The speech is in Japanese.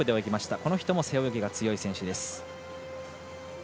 この人も背泳ぎが強い選手。